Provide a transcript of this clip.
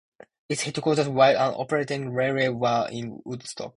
Its headquarters while an operational railway were in Woodstock.